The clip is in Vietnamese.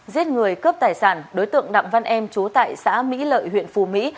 giết người cướp tài sản đối tượng đặng văn em chú tại xã mỹ lợi huyện phù mỹ